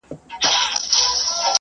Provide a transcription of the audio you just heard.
هغه څوک چي مکتب ځي زده کړه کوي!؟